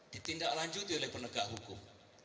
ditindaklanjuti oleh penegak hukum